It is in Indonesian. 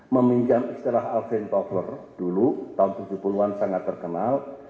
meminjam istilah alvin topler dulu tahun tujuh puluh an sangat terkenal